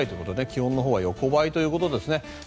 気温は横ばいということです。